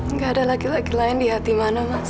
nggak ada laki laki lain di hati mana mas